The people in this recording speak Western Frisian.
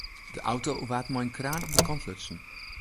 De auto waard mei in kraan op de kant lutsen.